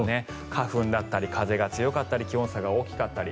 花粉だったり風が強かったり気温差が大きかったり。